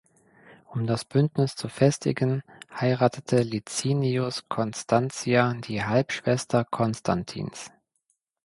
Um das Bündnis zu festigen, heiratete Licinius Constantia, die Halbschwester Konstantins.